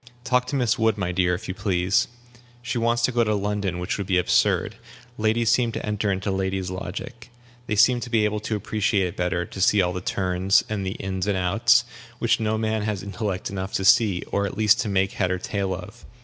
Talk to Miss Wood, my dear, if you please. She wants to go to London, which would be absurd. Ladies seem to enter into ladies' logic. They seem to be able to appreciate it better, to see all the turns, and the ins and outs, which no man has intellect enough to see, or at least to make head or tail of.